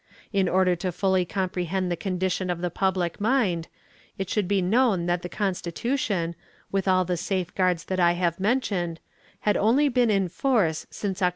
In order to fully comprehend the condition of the public mind, it should be known that the constitution, with all the safeguards that I have mentioned, had only been in force since Oct.